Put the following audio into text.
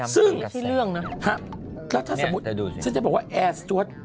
ซึ่งแล้วถ้าสมมุติฉันจะบอกว่าแอร์สตวด